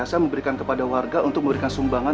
saya memberikan kepada warga untuk memberikan sumbangan